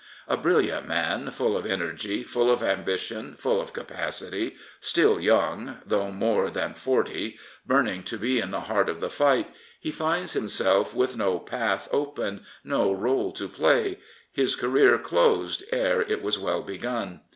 A brilliant man, full of energy, full of ambition, fuU of capacity, still young — though more than " forty — burning to be in the heart of the fight, he finds himself with no path open, no rdle to play, his career closed ere it has well begun.